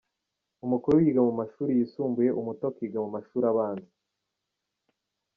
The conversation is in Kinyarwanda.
Umukuru yiga mu mashuri yisumbuye, umuto akiga mu mashuri abanza.